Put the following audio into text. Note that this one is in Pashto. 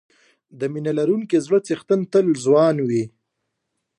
د مینه لرونکي زړه څښتن تل ځوان وي.